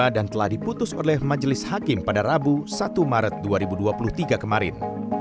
dan telah diputus oleh majelis hakim pada rabu satu maret dua ribu dua puluh tiga kemarin